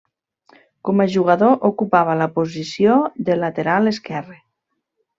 Com a jugador, ocupava la posició de lateral esquerre.